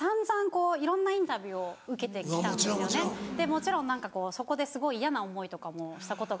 もちろん何かそこですごい嫌な思いとかもしたことが。